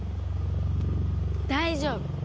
大丈夫。